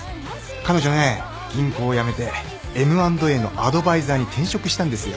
彼女ね銀行辞めてＭ＆Ａのアドバイザーに転職したんですよ。